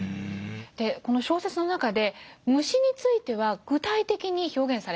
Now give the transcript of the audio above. この小説の中で虫については具体的に表現されているんですね。